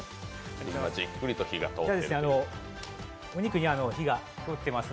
じっくりと火が通っています。